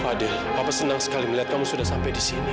adil papa senang sekali melihat kamu sudah sampai di sini